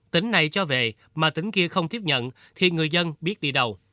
tỉnh này cho về mà tỉnh kia không tiếp nhận thì người dân biết đi đâu